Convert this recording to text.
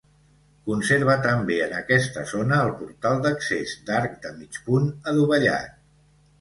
Conserva també en aquesta zona el portal d'accés, d'arc de mig punt adovellat.